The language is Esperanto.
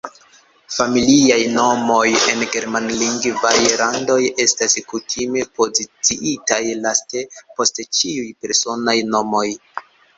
Familiaj nomoj en Germanlingvaj landoj estas kutime poziciitaj laste, post ĉiuj personaj nomoj.